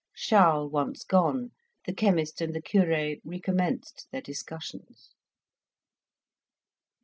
Charles once gone, the chemist and the cure recommenced their discussions.